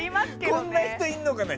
こんな人いるのかな。